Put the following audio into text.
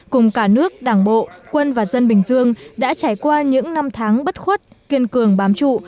cùng cả nước đảng bộ quân và dân bình dương đã trải qua những năm tháng bất khuất kiên cường bám trụ